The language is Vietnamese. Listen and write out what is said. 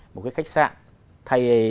một cái khách sạn